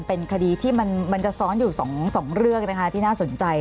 เป็นคดีที่มันจะซ้อนอยู่๒เรื่องที่น่าสนใจ